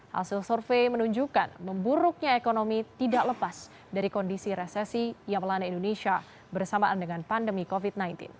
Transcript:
hasil survei menunjukkan memburuknya ekonomi tidak lepas dari kondisi resesi yang melanda indonesia bersamaan dengan pandemi covid sembilan belas